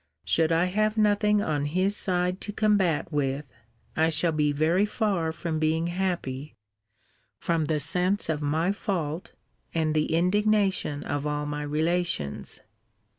Should I have nothing on his side to combat with, I shall be very far from being happy, from the sense of my fault, and the indignation of all my relations.